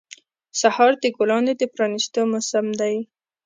سهار د ګلانو د پرانیستو موسم دی.